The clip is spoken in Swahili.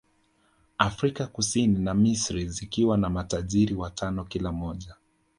Afrika Kusini na Misri zikiwa na matajiri watano kila mmoja